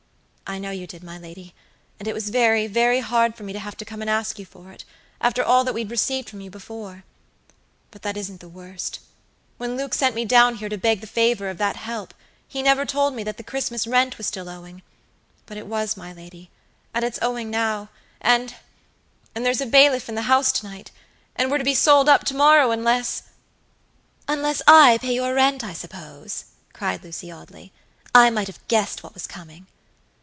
"I know you did, my lady, and it was very, very hard for me to have to come and ask you for it, after all that we'd received from you before. But that isn't the worst: when Luke sent me down here to beg the favor of that help he never told me that the Christmas rent was still owing; but it was, my lady, and it's owing now, andand there's a bailiff in the house to night, and we're to be sold up to morrow unless" "Unless I pay your rent, I suppose," cried Lucy Audley. "I might have guessed what was coming."